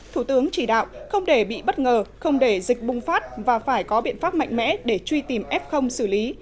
thủ tướng chỉ đạo không để bị bất ngờ không để dịch bùng phát và phải có biện pháp mạnh mẽ để truy tìm f xử lý